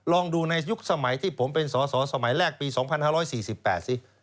ลองดูในยุคสมัยที่ผมเป็นสอสอสมัยแรกปี๒๕๔๘สิ